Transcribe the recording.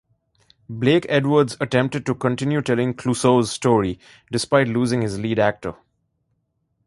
Blake Edwards attempted to continue telling Clouseau's story despite losing his lead actor.